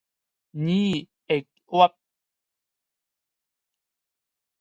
而液压泵由发动机或者电动马达驱动。